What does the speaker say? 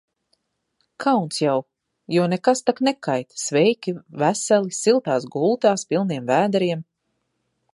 Kauns jau, jo nekas tak nekait – sveiki, veseli, siltās gultās, pilniem vēderiem.